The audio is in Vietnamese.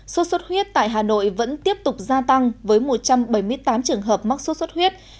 số suất huyết tại hà nội vẫn tiếp tục gia tăng với một trăm bảy mươi tám trường hợp mắc suất huyết